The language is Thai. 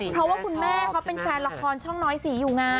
เพราะว่าคุณแม่เขาเป็นแฟนละครช่องน้อยสีอยู่ไง